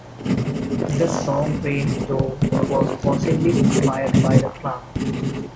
The song Green Door was possibly inspired by the club.